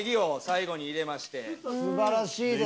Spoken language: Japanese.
素晴らしいです。